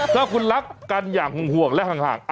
ถ้าคุณรักกันอย่างห่วงและห่าง